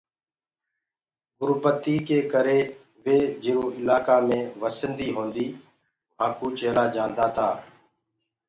گُربتي ڪي ڪري وي جرو اِلاڪآ مي وسنديٚ هونٚديٚ وهانٚ ڪٚوُ چيلآ جآنٚدآ تآ۔